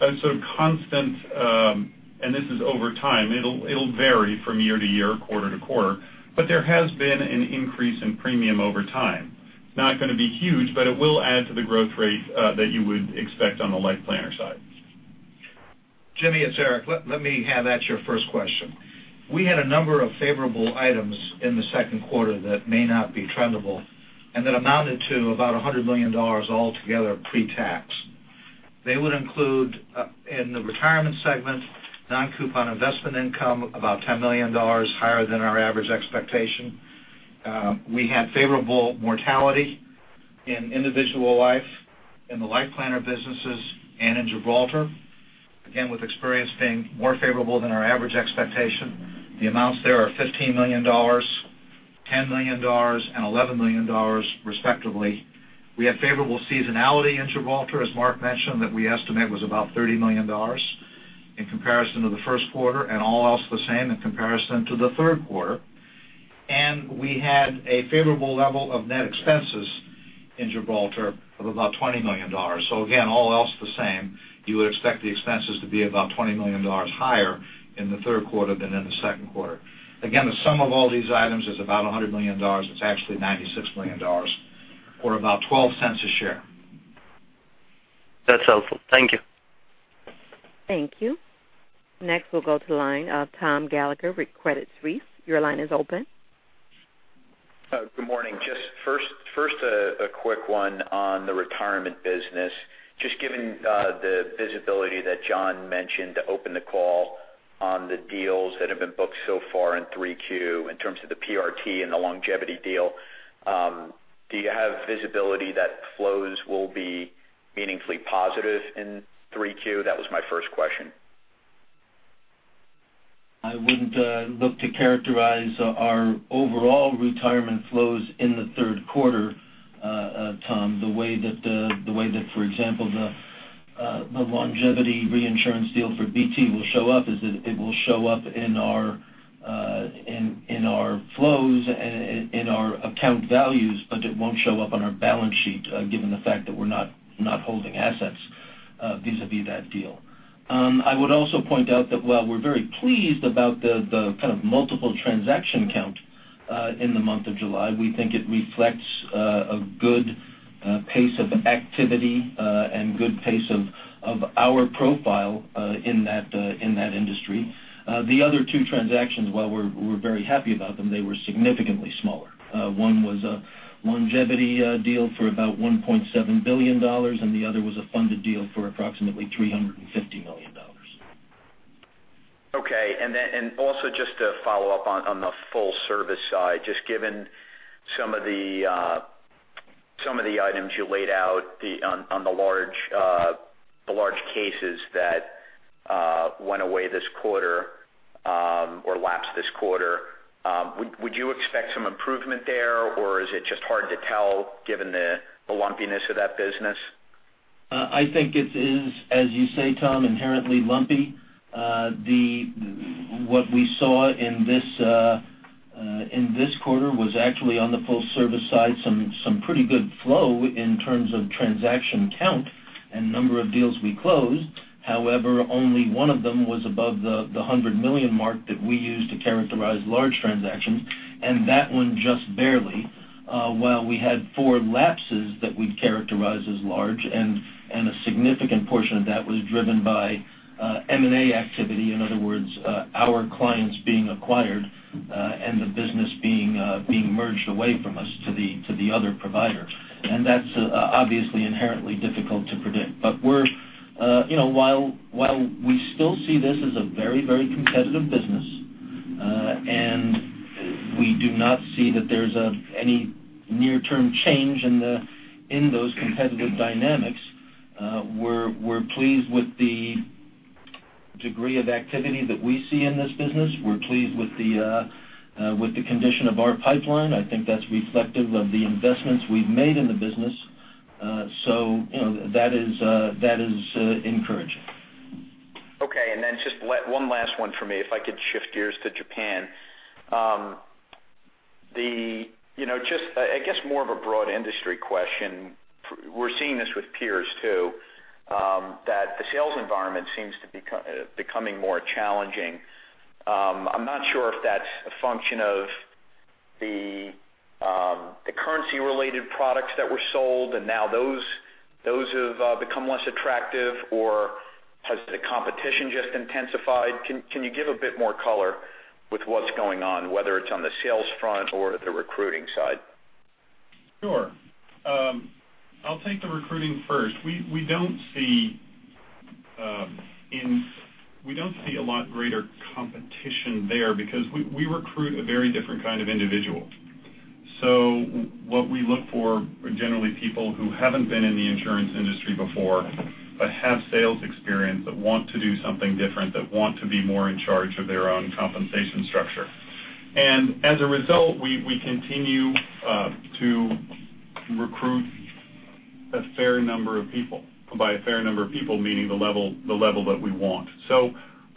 S9: a sort of constant, this is over time, it'll vary from year to year, quarter to quarter, but there has been an increase in premium over time. Not going to be huge, but it will add to the growth rate that you would expect on the life planner side.
S2: Jimmy, it's Eric. Let me have at your first question. We had a number of favorable items in the second quarter that may not be trendable and that amounted to about $100 million altogether pre-tax. They would include, in the retirement segment, non-coupon investment income, about $10 million higher than our average expectation. We had favorable mortality in individual life in the life planner businesses and in Gibraltar, again, with experience being more favorable than our average expectation. The amounts there are $15 million, $10 million, and $11 million, respectively. We had favorable seasonality in Gibraltar, as Mark mentioned, that we estimate was about $30 million in comparison to the first quarter, and all else the same in comparison to the third quarter. We had a favorable level of net expenses in Gibraltar of about $20 million. Again, all else the same, you would expect the expenses to be about $20 million higher in the third quarter than in the second quarter. Again, the sum of all these items is about $100 million. It's actually $96 million or about $0.12 a share.
S8: That's helpful. Thank you.
S1: Thank you. Next, we'll go to the line of Thomas Gallagher with Credit Suisse. Your line is open.
S10: Good morning. First, a quick one on the retirement business. Given the visibility that John mentioned to open the call on the deals that have been booked so far in Q3 in terms of the PRT and the longevity deal, do you have visibility that flows will be meaningfully positive in Q3? That was my first question.
S7: I wouldn't look to characterize our overall retirement flows in the third quarter, Tom, the way that, for example, the longevity reinsurance deal for BT will show up is that it will show up in our flows and in our account values, but it won't show up on our balance sheet, given the fact that we're not holding assets vis-a-vis that deal. I would also point out that while we're very pleased about the kind of multiple transaction count in the month of July. We think it reflects a good pace of activity and good pace of our profile in that industry. The other two transactions, while we're very happy about them, they were significantly smaller. One was a longevity deal for about $1.7 billion, and the other was a funded deal for approximately $350 million.
S10: Okay. Also just to follow up on the full service side, just given some of the items you laid out on the large cases that went away this quarter or lapsed this quarter, would you expect some improvement there, or is it just hard to tell given the lumpiness of that business?
S7: I think it is, as you say, Tom, inherently lumpy. What we saw in this quarter was actually on the full service side, some pretty good flow in terms of transaction count and number of deals we closed. However, only one of them was above the $100 million mark that we use to characterize large transactions, and that one just barely. While we had four lapses that we'd characterize as large, and a significant portion of that was driven by M&A activity, in other words, our clients being acquired and the business being merged away from us to the other provider. That's obviously inherently difficult to predict. While we still see this as a very competitive business, and we do not see that there's any near-term change in those competitive dynamics, we're pleased with the degree of activity that we see in this business. We're pleased with the condition of our pipeline. I think that's reflective of the investments we've made in the business. That is encouraging.
S10: Okay, just one last one for me, if I could shift gears to Japan. I guess more of a broad industry question. We're seeing this with peers, too, that the sales environment seems to be becoming more challenging. I'm not sure if that's a function of the currency-related products that were sold and now those have become less attractive, or has the competition just intensified? Can you give a bit more color with what's going on, whether it's on the sales front or the recruiting side?
S9: Sure. I'll take the recruiting first. We don't see a lot greater competition there because we recruit a very different kind of individual. What we look for are generally people who haven't been in the insurance industry before, but have sales experience but want to do something different, that want to be more in charge of their own compensation structure. As a result, we continue to recruit a fair number of people. By a fair number of people, meaning the level that we want.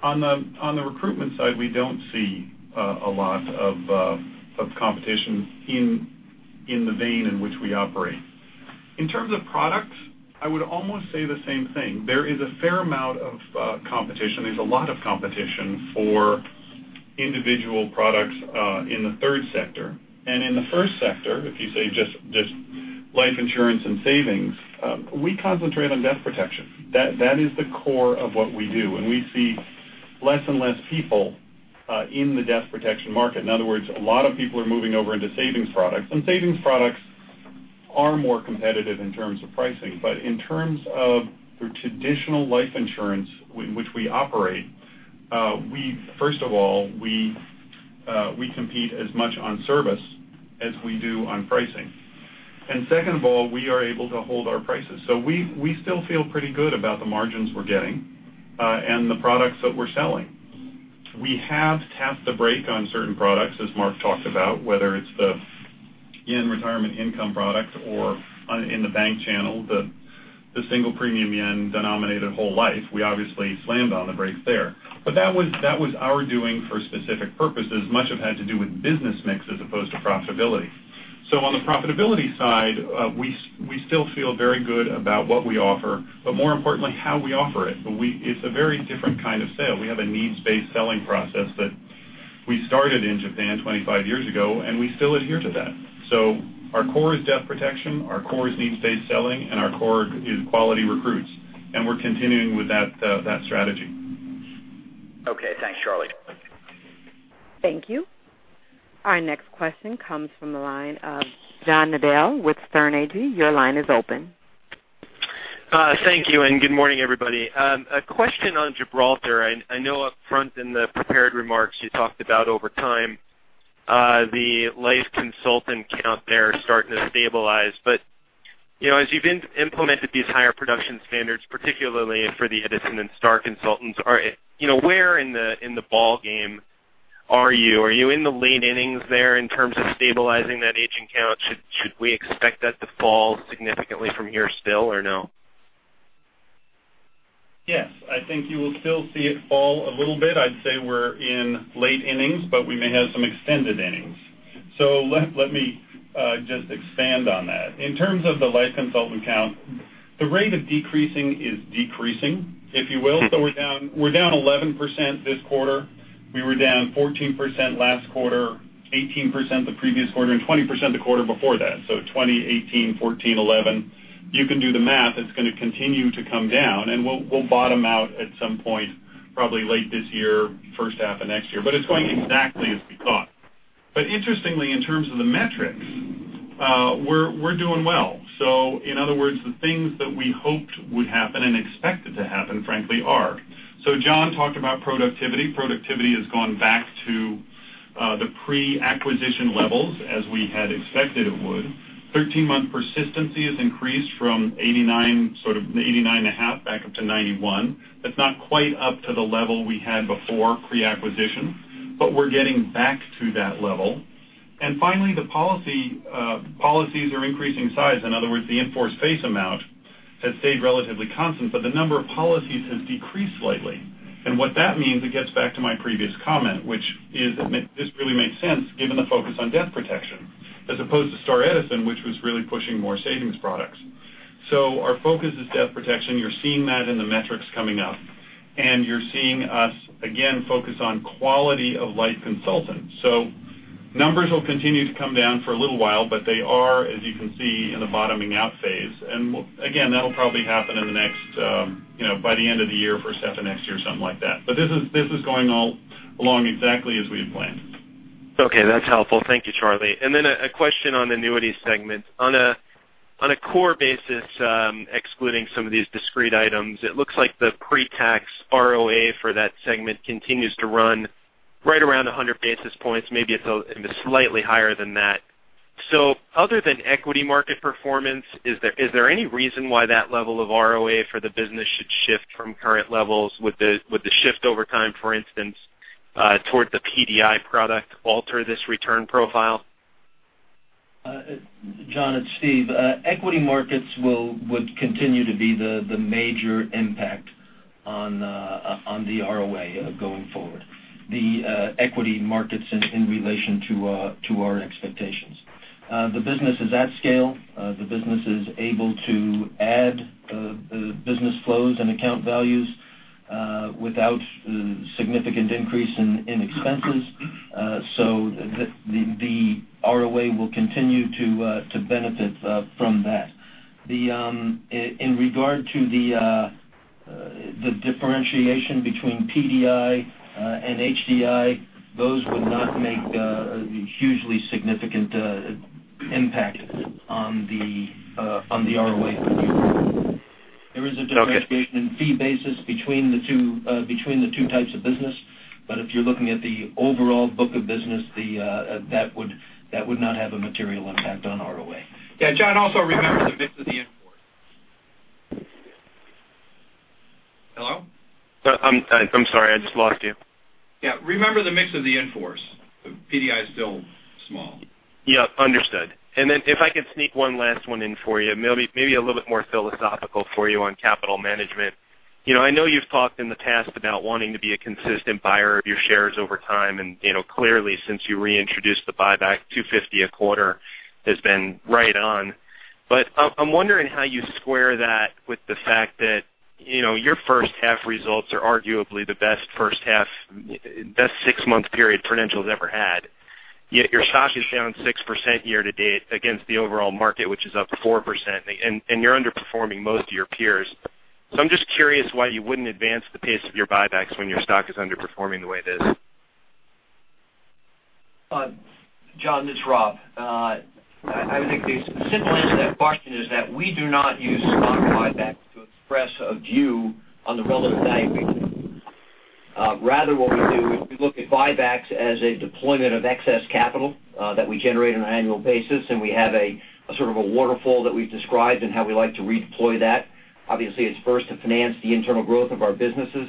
S9: On the recruitment side, we don't see a lot of competition in the vein in which we operate. In terms of products, I would almost say the same thing. There is a fair amount of competition. There's a lot of competition for individual products in the third sector. In the first sector, if you say just life insurance and savings, we concentrate on death protection. That is the core of what we do, and we see less and less people in the death protection market. In other words, a lot of people are moving over into savings products, and savings products are more competitive in terms of pricing. In terms of the traditional life insurance in which we operate, first of all, we compete as much on service as we do on pricing. Second of all, we are able to hold our prices. We still feel pretty good about the margins we're getting and the products that we're selling. We have tapped the brake on certain products, as Mark talked about, whether it's the yen retirement income product or in the bank channel, the single premium yen-denominated whole life. We obviously slammed on the brakes there. That was our doing for specific purposes. Much of it had to do with business mix as opposed to profitability. On the profitability side, we still feel very good about what we offer, but more importantly, how we offer it. It's a very different kind of sale. We have a needs-based selling process that we started in Japan 25 years ago, and we still adhere to that. Our core is death protection, our core is needs-based selling, and our core is quality recruits. We're continuing with that strategy.
S10: Okay. Thanks, Charlie.
S1: Thank you. Our next question comes from the line of John Nadel with Sterne Agee. Your line is open.
S11: Thank you. Good morning, everybody. A question on Gibraltar. I know up front in the prepared remarks you talked about over time, the life consultant count there starting to stabilize. As you've implemented these higher production standards, particularly for the Edison and Star consultants, where in the ball game are you? Are you in the late innings there in terms of stabilizing that agent count? Should we expect that to fall significantly from here still, or no?
S9: Yes. I think you will still see it fall a little bit. I'd say we're in late innings, but we may have some extended innings. Let me just expand on that. In terms of the life consultant count, the rate of decreasing is decreasing, if you will. We're down 11% this quarter. We were down 14% last quarter, 18% the previous quarter, and 20% the quarter before that. 20, 18, 14, 11. You can do the math. It's going to continue to come down, and we'll bottom out at some point, probably late this year, first half of next year. It's going exactly as we thought. Interestingly, in terms of the metrics, we're doing well. In other words, the things that we hoped would happen and expected to happen, frankly, are. John talked about productivity. Productivity has gone back to the pre-acquisition levels as we had expected it would. Thirteen-month persistency has increased from sort of 89.5 back up to 91. That's not quite up to the level we had before pre-acquisition, but we're getting back to that level. Finally, the policies are increasing size. In other words, the in-force face amount has stayed relatively constant, but the number of policies has decreased slightly. What that means, it gets back to my previous comment, which is this really makes sense given the focus on death protection, as opposed to Star Edison, which was really pushing more savings products. Our focus is death protection. You're seeing that in the metrics coming up, and you're seeing us, again, focus on quality of life consultants. Numbers will continue to come down for a little while, but they are, as you can see, in the bottoming out phase. Again, that'll probably happen by the end of the year, first half of next year, something like that. This is going along exactly as we had planned.
S11: Okay. That's helpful. Thank you, Charlie. Then a question on annuity segment. On a core basis, excluding some of these discrete items, it looks like the pre-tax ROA for that segment continues to run right around 100 basis points. Maybe it's slightly higher than that. Other than equity market performance, is there any reason why that level of ROA for the business should shift from current levels? Would the shift over time, for instance, toward the PDI product alter this return profile?
S7: John, it's Steve. Equity markets would continue to be the major impact on the ROA going forward. The equity markets in relation to our expectations. The business is at scale. The business is able to add business flows and account values without significant increase in expenses. The ROA will continue to benefit from that. In regard to the differentiation between PDI and HDI, those would not make a hugely significant impact on the ROA. There is a differentiation in fee basis between the two types of business. If you're looking at the overall book of business, that would not have a material impact on ROA.
S3: Yeah, John, also remember the mix of the in-force. Hello?
S11: I'm sorry, I just lost you.
S3: Yeah, remember the mix of the in-force. PDI is still small.
S11: Yep, understood. If I could sneak one last one in for you, maybe a little bit more philosophical for you on capital management. I know you've talked in the past about wanting to be a consistent buyer of your shares over time, clearly, since you reintroduced the buyback, $250 a quarter has been right on. I'm wondering how you square that with the fact that your first half results are arguably the best first half, best six-month period Prudential's ever had. Your stock is down 6% year-to-date against the overall market, which is up 4%, and you're underperforming most of your peers. I'm just curious why you wouldn't advance the pace of your buybacks when your stock is underperforming the way it is.
S5: John, this is Rob. I would think the simple answer to that question is that we do not use stock buyback to express a view on the relative value. Rather, what we do is we look at buybacks as a deployment of excess capital that we generate on an annual basis, we have a sort of a waterfall that we've described in how we like to redeploy that. Obviously, it's first to finance the internal growth of our businesses.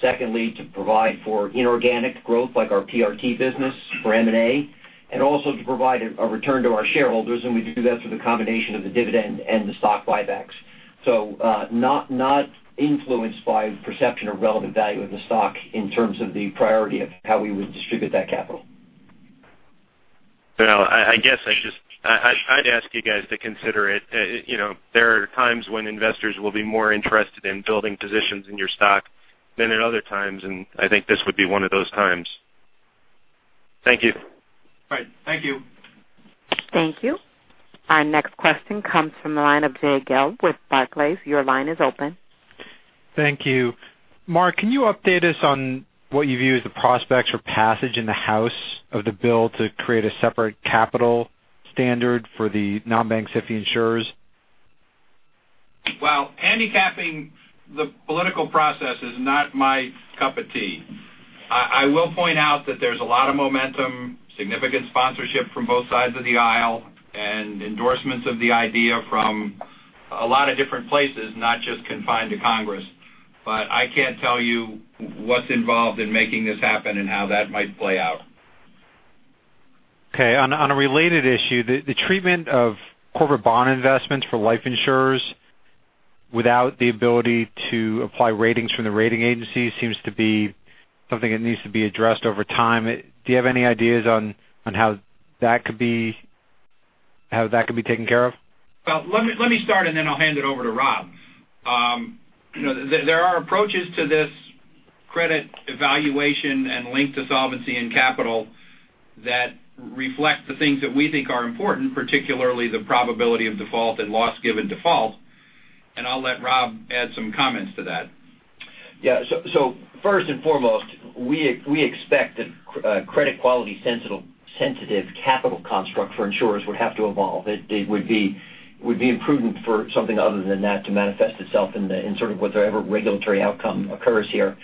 S5: Secondly, to provide for inorganic growth like our PRT business for M&A. Also to provide a return to our shareholders, and we do that through the combination of the dividend and the stock buybacks. Not influenced by perception of relevant value of the stock in terms of the priority of how we would distribute that capital.
S11: Well, I guess I'd ask you guys to consider it. There are times when investors will be more interested in building positions in your stock than at other times, I think this would be one of those times. Thank you.
S3: All right. Thank you.
S1: Thank you. Our next question comes from the line of Jay Gelb with Barclays. Your line is open.
S12: Thank you. Mark, can you update us on what you view as the prospects for passage in the House of the bill to create a separate capital standard for the non-bank SIFI insurers?
S3: Well, handicapping the political process is not my cup of tea. I will point out that there's a lot of momentum, significant sponsorship from both sides of the aisle, and endorsements of the idea from a lot of different places, not just confined to Congress. I can't tell you what's involved in making this happen and how that might play out.
S12: Okay. On a related issue, the treatment of corporate bond investments for life insurers without the ability to apply ratings from the rating agencies seems to be something that needs to be addressed over time. Do you have any ideas on That could be how that could be taken care of?
S4: Let me start, then I'll hand it over to Rob. There are approaches to this credit evaluation and link to solvency and capital that reflect the things that we think are important, particularly the probability of default and loss given default. I'll let Rob add some comments to that.
S5: First and foremost, we expect that a credit quality sensitive capital construct for insurers would have to evolve. It would be imprudent for something other than that to manifest itself in sort of whatever regulatory outcome occurs here.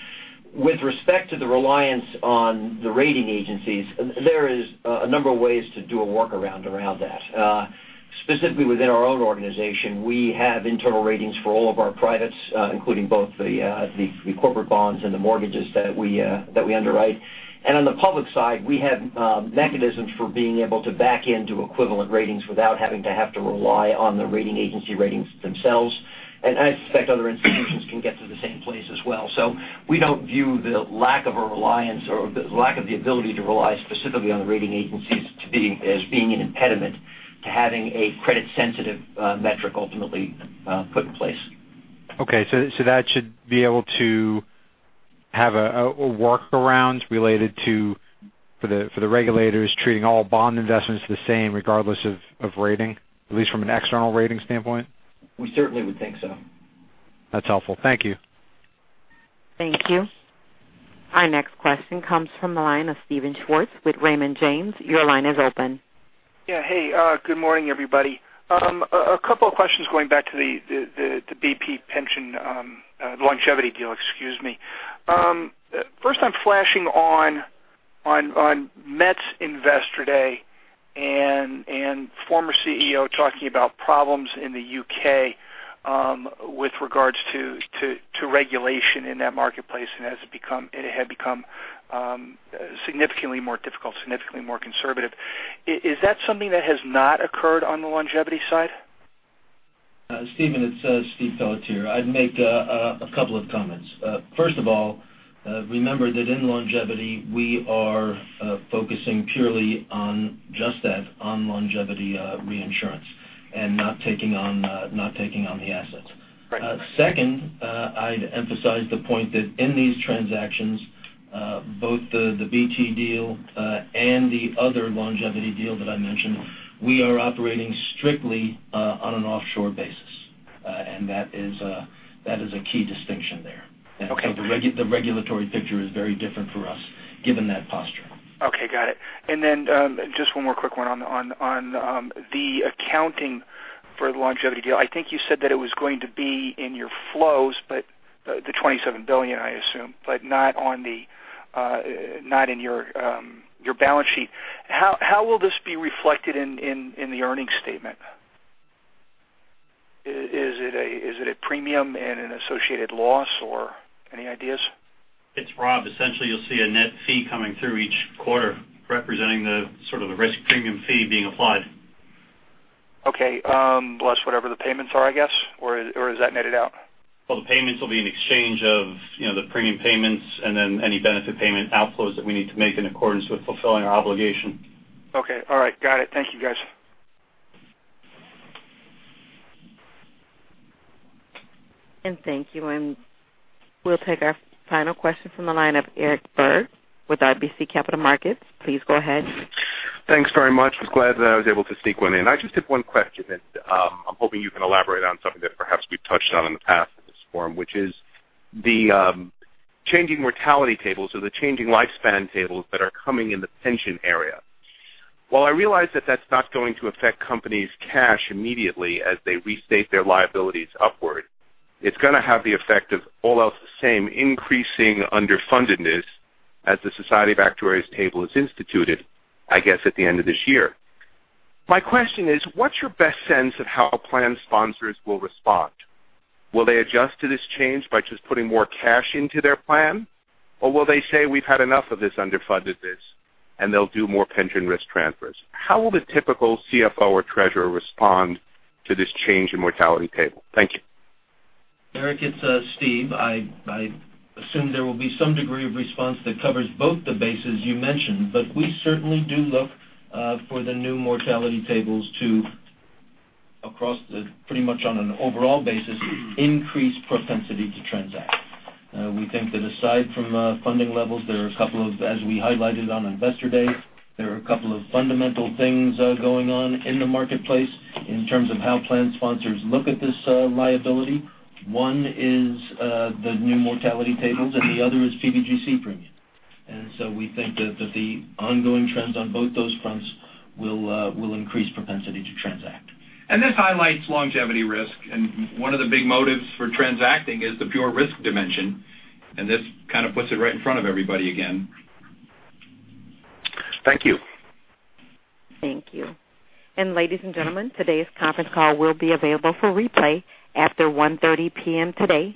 S5: With respect to the reliance on the rating agencies, there is a number of ways to do a workaround around that. Specifically within our own organization, we have internal ratings for all of our privates, including both the corporate bonds and the mortgages that we underwrite. On the public side, we have mechanisms for being able to back into equivalent ratings without having to have to rely on the rating agency ratings themselves. I suspect other institutions can get to the same place as well. We don't view the lack of a reliance or the lack of the ability to rely specifically on the rating agencies as being an impediment to having a credit sensitive metric ultimately put in place.
S12: That should be able to have a workaround related to the regulators treating all bond investments the same regardless of rating, at least from an external rating standpoint?
S5: We certainly would think so.
S12: That's helpful. Thank you.
S1: Thank you. Our next question comes from the line of Steven Schwartz with Raymond James. Your line is open.
S13: Yeah. Hey, good morning, everybody. A couple of questions going back to the BT pension, the longevity deal, excuse me. First, I'm flashing on MetLife's Investor Day and former CEO talking about problems in the U.K. with regards to regulation in that marketplace, and it had become significantly more difficult, significantly more conservative. Is that something that has not occurred on the longevity side?
S7: Steven, it's Steve Pelletier here. I'd make a couple of comments. First of all, remember that in longevity, we are focusing purely on just that, on longevity reinsurance and not taking on the assets.
S13: Right.
S7: Second, I'd emphasize the point that in these transactions, both the BT deal and the other longevity deal that I mentioned, we are operating strictly on an offshore basis. That is a key distinction there.
S13: Okay.
S7: The regulatory picture is very different for us given that posture.
S13: Okay, got it. Just one more quick one on the accounting for the longevity deal. I think you said that it was going to be in your flows, the $27 billion, I assume, but not in your balance sheet. How will this be reflected in the earnings statement? Is it a premium and an associated loss, or any ideas?
S5: It's Rob. Essentially, you'll see a net fee coming through each quarter representing the sort of risk premium fee being applied.
S13: Okay. Plus whatever the payments are, I guess? Or is that netted out?
S5: Well, the payments will be in exchange of the premium payments and then any benefit payment outflows that we need to make in accordance with fulfilling our obligation.
S13: Okay. All right. Got it. Thank you, guys.
S1: Thank you. We'll take our final question from the line of Eric Berg with RBC Capital Markets. Please go ahead.
S14: Thanks very much. I was glad that I was able to sneak one in. I just have one question. I'm hoping you can elaborate on something that perhaps we've touched on in the past in this forum, which is the changing mortality tables or the changing lifespan tables that are coming in the pension area. While I realize that that's not going to affect companies' cash immediately as they restate their liabilities upward, it's going to have the effect of all else the same, increasing underfundedness as the Society of Actuaries table is instituted, I guess, at the end of this year. My question is, what's your best sense of how plan sponsors will respond? Will they adjust to this change by just putting more cash into their plan? Or will they say we've had enough of this underfundedness and they'll do more pension risk transfers? How will the typical CFO or treasurer respond to this change in mortality table? Thank you.
S7: Eric, it's Steve. I assume there will be some degree of response that covers both the bases you mentioned. We certainly do look for the new mortality tables to, across pretty much on an overall basis, increase propensity to transact. We think that aside from funding levels, as we highlighted on Investor Day, there are a couple of fundamental things going on in the marketplace in terms of how plan sponsors look at this liability. One is the new mortality tables, the other is PBGC premium. We think that the ongoing trends on both those fronts will increase propensity to transact.
S4: This highlights longevity risk. One of the big motives for transacting is the pure risk dimension. This kind of puts it right in front of everybody again.
S14: Thank you.
S1: Thank you. Ladies and gentlemen, today's conference call will be available for replay after 1:30 P.M. today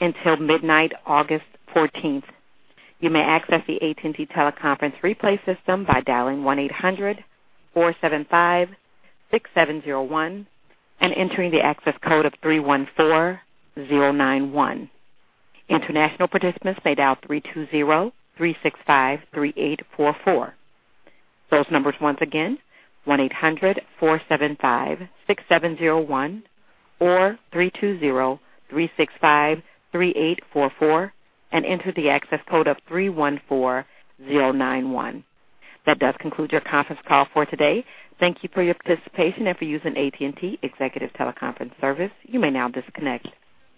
S1: until midnight August 14th. You may access the AT&T teleconference replay system by dialing 1-800-475-6701 and entering the access code of 314091. International participants may dial 320-365-3844. Those numbers once again, 1-800-475-6701 or 320-365-3844 and enter the access code of 314091. That does conclude your conference call for today. Thank you for your participation and for using AT&T Executive Teleconference Service. You may now disconnect.